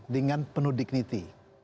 dengan penuh dignity